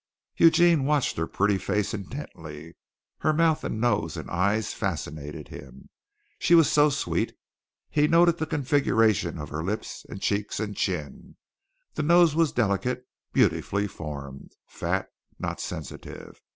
Eugene watched her pretty face intently. Her mouth and nose and eyes fascinated him. She was so sweet! He noted the configuration of her lips and cheeks and chin. The nose was delicate, beautifully formed, fat, not sensitive.